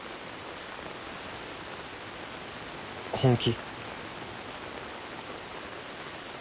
本気？